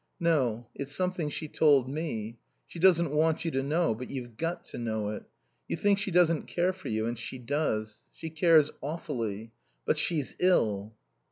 "No. It's something she told me. She doesn't want you to know. But you've got to know it. You think she doesn't care for you, and she does; she cares awfully. But she's ill."